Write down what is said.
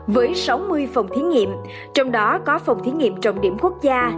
với sáu mươi phòng thí nghiệm trong đó có phòng thí nghiệm trọng điểm quốc gia